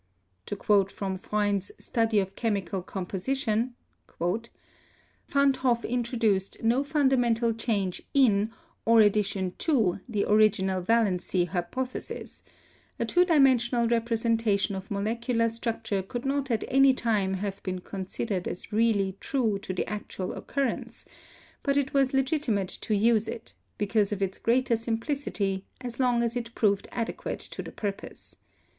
To quote from Freund's 'Study of Chemical Composition,' "Van't Hoff introduced no fundamental change in, or addition to, the original valency hypothesis; a two dimensional representation of molecular structure could not at any time have been con sidered as really true to the actual occurrence, but it was legitimate to use it, because of its greater simplicity, as long as it proved adequate to the purpose.